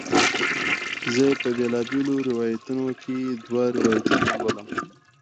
زه یې په بیلابیلو روایتونو کې دوه روایتونه لولم.